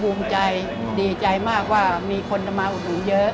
ภูมิใจดีใจมากว่ามีคนมาอุดหนุนเยอะ